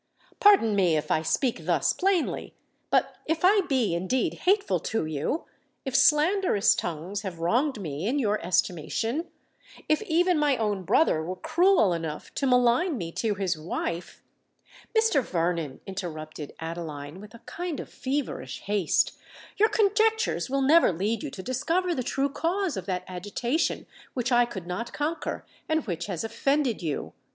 Pardon me if I speak thus plainly; but if I be indeed hateful to you—if slanderous tongues have wronged me in your estimation—if even my own brother were cruel enough to malign me to his wife——" "Mr. Vernon," interrupted Adeline, with a kind of feverish haste, "your conjectures will never lead you to discover the true cause of that agitation which I could not conquer, and which has offended you.